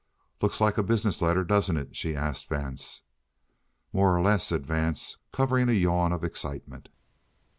"Looks like a business letter, doesn't it?" she asked Vance. "More or less," said Vance, covering a yawn of excitement.